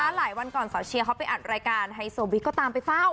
หลายวันก่อนสาวเชียร์เขาไปอัดรายการไฮโซบิ๊กก็ตามไปเฝ้า